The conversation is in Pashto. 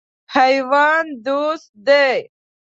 حیوان دوست دی.